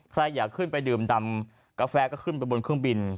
ใครอยากขึ้นไปดื่มดำกาแฟก็ขึ้นไปบนเครื่องบิน